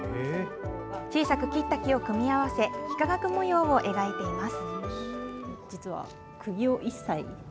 小さく切った木を組み合わせ、幾何学模様を描いています。